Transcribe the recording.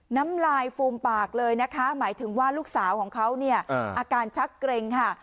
น้ำลายฟูมปากเลยนะคะหมายถึงว่าลูกสาวของเขาเนี่ยอาการชักเกร็งค่ะ